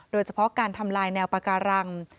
โดยเฉพาะการทำลายแนวปาการัง